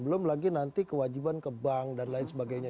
belum lagi nanti kewajiban ke bank dan lain sebagainya